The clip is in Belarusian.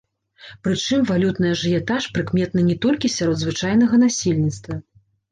Прычым валютны ажыятаж прыкметны не толькі сярод звычайнага насельніцтва.